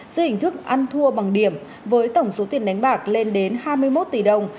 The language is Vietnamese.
dưới hình thức ăn thua bằng điểm với tổng số tiền đánh bạc lên đến hai mươi một tỷ đồng